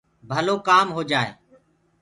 ڀلو ڪآم هوجآئي